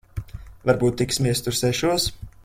Varbūt tiksimies tur sešos?